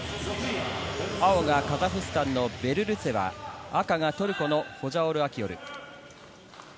青がカザフスタンのベルルツェワ、赤がトルコのホジャオール・アキヨル。